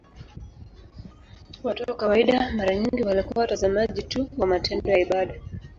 Watu wa kawaida mara nyingi walikuwa watazamaji tu wa matendo ya ibada.